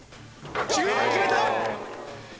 ９番決めた！